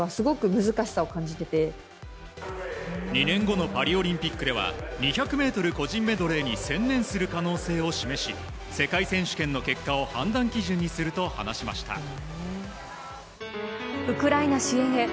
２年後のパリオリンピックでは２００ｍ個人メドレーに専念する可能性を示し世界選手権の結果を判断基準にすると話しました。